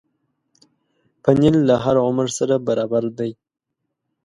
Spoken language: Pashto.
پنېر له هر عمر سره برابر دی.